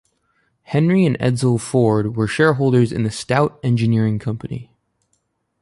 Henry and Edsel Ford were shareholders in the Stout Engineering Company.